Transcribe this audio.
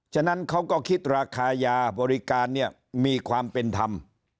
ฉะนั้นเขาก็คิดราคายาบริการเนี่ยมีความเป็นธรรม